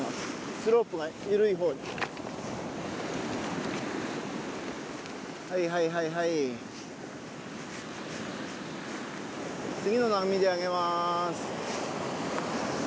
スロープが緩いほうにはいはいはいはい次の波で上げまーす